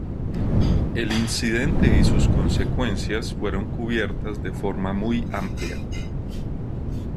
El incidente y sus consecuencias fueron cubiertas de forma muy amplia.